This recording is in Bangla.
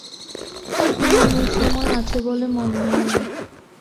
ঘুমানোর সময় আছে বলে মনে হয়নি।